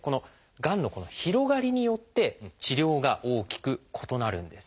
がんの広がりによって治療が大きく異なるんです。